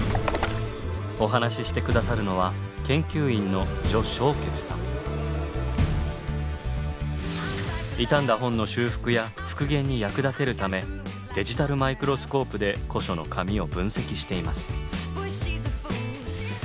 お話しして下さるのは傷んだ本の修復や復元に役立てるためデジタルマイクロスコープで古書の紙を分析しています。